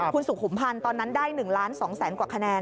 คุณสุขุมพันธ์ตอนนั้นได้๑ล้าน๒แสนกว่าคะแนน